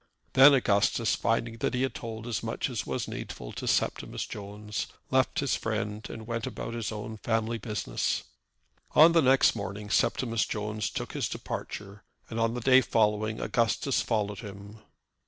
Then Augustus, finding that he had told as much as was needful to Septimus Jones, left his friend and went about his own family business. On the next morning Septimus Jones took his departure, and on the day following Augustus followed him.